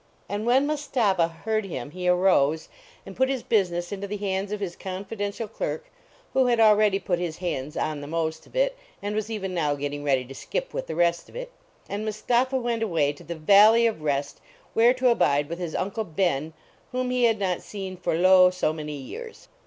And when Mustapha heard him he arose, and put his business into the hands of his con fidential clerk, who had already put his hands on the most of it, and was even now getting ready to skip with the rest of it. And Mus tapha went away to the Valley of Rest, there to abide with his Uncle l>en, whom he had not seen for lo, so many years.